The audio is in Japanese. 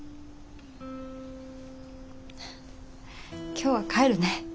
今日は帰るね。